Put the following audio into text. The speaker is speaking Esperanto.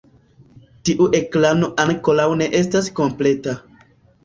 Tiu ekrano ankoraŭ ne estas kompleta.